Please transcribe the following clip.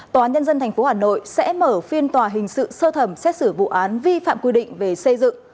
tòa nhân dân tp hà nội sẽ mở phiên tòa hình sự sơ thẩm xét xử vụ án vi phạm quy định về xây dựng